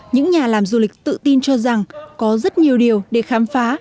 những nhà làm du lịch tự tin cho rằng có rất nhiều điều để khám phá